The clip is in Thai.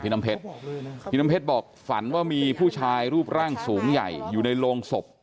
น้ำเพชรพี่น้ำเพชรบอกฝันว่ามีผู้ชายรูปร่างสูงใหญ่อยู่ในโรงศพ